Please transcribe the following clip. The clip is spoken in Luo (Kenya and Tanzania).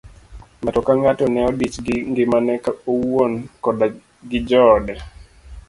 Ng'ato ka ng'ato ne odich gi ngimane owuon koda gi joode.